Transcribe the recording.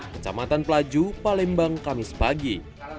kecamatan pelaju palembang kamis pagi